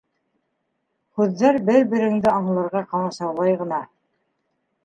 Һүҙҙәр бер береңде аңларға ҡамасаулай ғына.